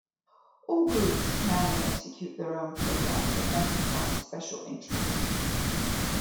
All groups plan and execute their own programs and emphasize special interests.